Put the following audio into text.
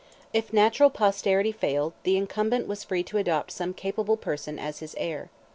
If natural posterity failed, the incumbent was free to adopt some capable person as his heir.